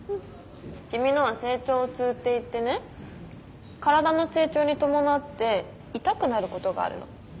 君のは成長痛っていってね体の成長に伴って痛くなることがあるの。